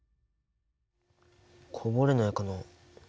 こぼれないかな。